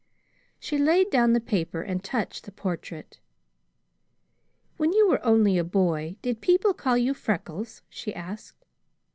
She laid down the paper, and touched the portrait. "When you were only a boy, did people call you Freckles?" she asked.